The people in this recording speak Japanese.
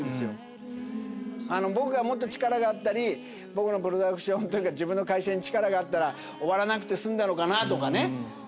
僕がもっと力があったり僕のプロダクションというか自分の会社に力があったら終わらなくて済んだのかなとかね。